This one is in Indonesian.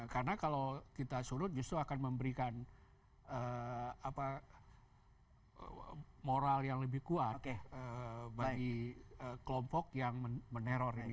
karena kalau kita surut justru akan memberikan moral yang lebih kuat bagi kelompok yang meneror ini